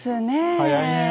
早いねえ。